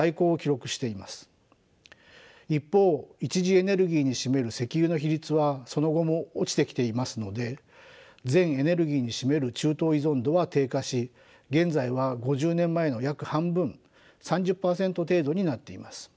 一方一次エネルギーに占める石油の比率はその後も落ちてきていますので全エネルギーに占める中東依存度は低下し現在は５０年前の約半分３０％程度になっています。